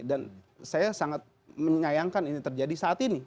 dan saya sangat menyayangkan ini terjadi saat ini